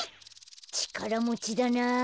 ちからもちだな。